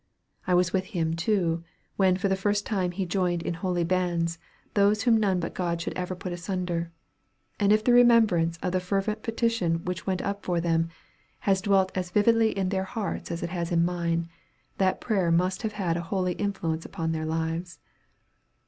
I was with him, too, when for the first time he joined in holy bands, those whom none but God should ever put asunder; and if the remembrance of the fervent petition which went up for them, has dwelt as vividly in their hearts as it has in mine, that prayer must have had a holy influence upon their lives.